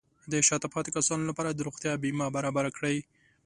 د شاته پاتې کسانو لپاره د روغتیا بیمه برابر کړئ.